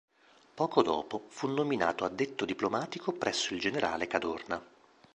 Poco dopo fu nominato addetto diplomatico presso il generale Cadorna.